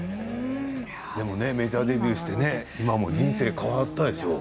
でもねメジャーデビューして人生変わったでしょう？